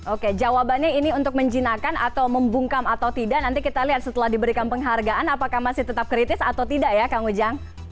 oke jawabannya ini untuk menjinakan atau membungkam atau tidak nanti kita lihat setelah diberikan penghargaan apakah masih tetap kritis atau tidak ya kang ujang